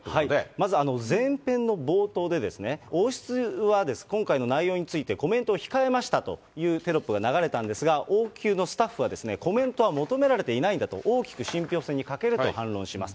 まず、前編の冒頭で、王室は今回の内容について、コメントを控えましたというテロップが流れたんですが、王宮のスタッフは、コメントは求められていないんだと、大きく信ぴょう性に欠けると反論します。